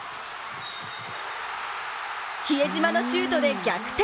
比江島のシュートで逆転